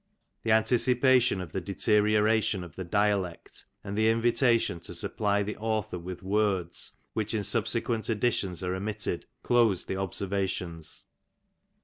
The anticipation of the deterioration of the dialect, and the invitation to supply the author with words, which in subsequent editions are omitted, close the "Observations.""